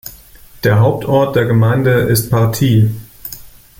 Der Hauptort der Gemeinde ist Partille.